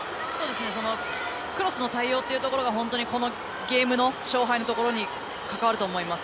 クロスの対応というところが本当にこのゲームの勝敗のところに関わると思います。